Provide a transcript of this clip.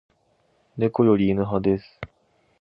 猫より犬派です